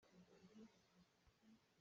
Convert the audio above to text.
A hnar aa kheuh.